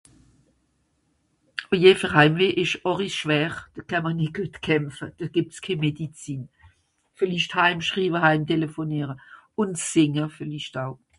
ojé fer heim weh esch hòrich schwer kämmr nìt guet kämpfe do gebt es keh medizin villicht haim schrive haim telephoniere ùn sìnge villicht aw